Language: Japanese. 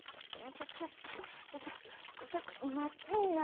ちょっちょちょっちょっちょっと待ちぃな。